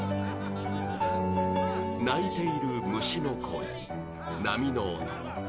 鳴いている虫の声、波の音。